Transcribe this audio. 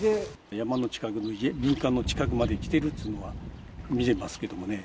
山の近くの民家の近くまで来てるっつうのは、見てますけどもね。